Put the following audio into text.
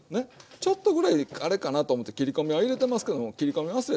ちょっとぐらいあれかなと思って切り込みは入れてますけども切り込み忘れてもいいです。